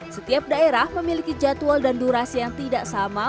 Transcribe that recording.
setiap daerah memiliki jadwal dan durasi yang tidak sama